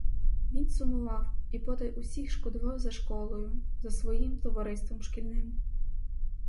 Він сумував і потай усіх шкодував за школою, за своїм товариством шкільним.